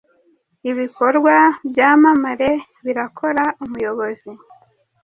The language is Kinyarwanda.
Ibikorwa-byamamare birakora umuyobozi